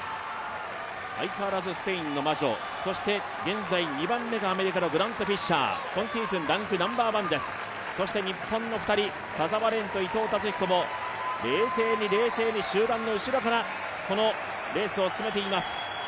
相変わらずスペインのマジョ、現在、２番目がアメリカのグラント・フィッシャー今シーズン、ランクナンバーワンです、そして日本の２人、冷静に冷静に集団の後ろからレースを進めています。